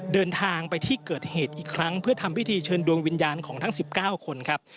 เดินทางไปที่เกิดเหตุอีกครั้งเพื่อทำพิธีเชิญดวงวิญญาณของทั้ง๑๙คนครับ